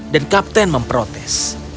dan kapten memprotek